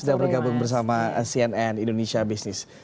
sudah bergabung bersama cnn indonesia business